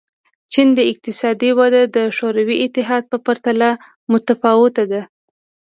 چین اقتصادي وده د شوروي اتحاد په پرتله متفاوته ده.